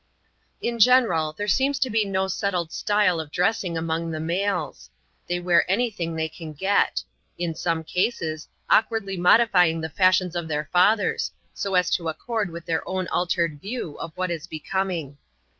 In general, there seems to be no settled style of dressing among the males : they wear any thing they can get ; in some cases, awkwardly modifying the fashions of their fathers, so as to ac " cord with their own altered views of what is becoming.